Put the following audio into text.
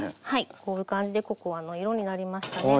こういう感じでココアの色になりましたね。